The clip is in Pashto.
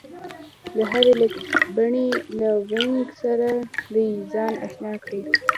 د هرې لیکبڼې له وينګ سره دې ځان اشنا کړي